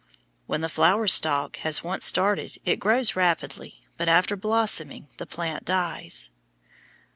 When the flower stalk has once started it grows rapidly, but after blossoming the plant dies.